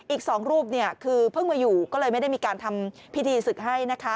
อีก๒รูปคือเพิ่งมาอยู่ก็เลยไม่ได้มีการทำพิธีศึกให้นะคะ